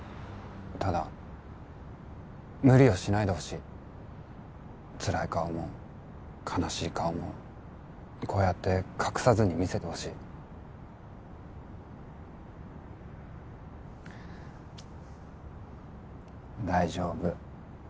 ただ無理はしないでほしいつらい顔も悲しい顔もこうやって隠さずに見せてほしい大丈夫